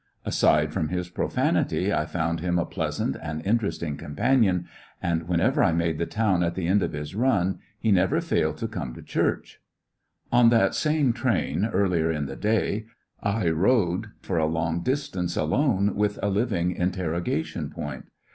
Aside from 111 r ^ecoUecthns of a his profanityj I found him a pleasant and in teresting companion, and whenever I made the town at the end of his ruiij he never failed to come to church, Aninienvgn On that same train, earlier in the day, I rode " for a long distance alone with a living inter rogation point.